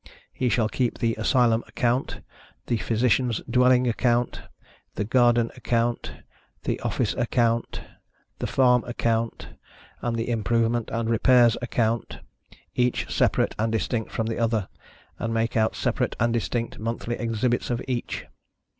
He shall keep the ASYLUM ACCOUNT, the PHYSICIANSâ€™ DWELLING ACCOUNT, the GARDEN ACCOUNT, the OFFICE ACCOUNT, the FARM ACCOUNT, and the IMPROVEMENT AND REPAIRS ACCOUNT, each separate and distinct from the other, and make out separate and distinct monthly exhibits of each.